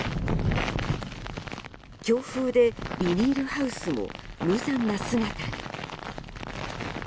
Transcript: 強風でビニールハウスも無残な姿に。